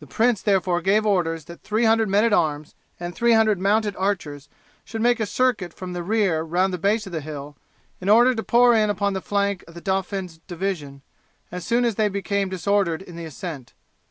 The prince therefore gave orders that 300 men at arms and 300 mounted archers should make a circuit from the rear round the base of the hill, in order to pour in upon the flank of the Dauphin's division as soon as they became disordered in the ascent.